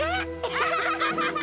アハハハ！